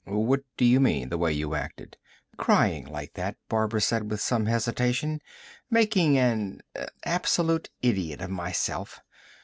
"What do you mean, the way you acted?" "Crying like that," Barbara said with some hesitation. "Making an absolute idiot of myself.